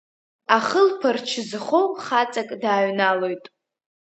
Ахылԥарч зхоу хаҵак дааҩналоит.